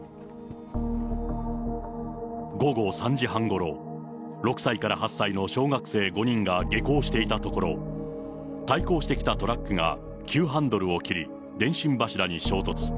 午後３時半ごろ、６歳から８歳の小学生５人が下校していたところ、対向してきたトラックが急ハンドルを切り、電信柱に衝突。